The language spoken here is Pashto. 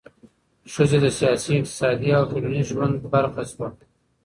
ښځې د سیاسي، اقتصادي او ټولنیز ژوند برخه شوه.